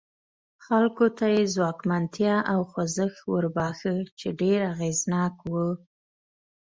خلکو ته یې ځواکمنتیا او خوځښت وروباښه چې ډېر اغېزناک و.